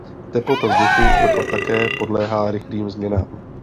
Teplota vzduchu proto také podléhá rychlým změnám.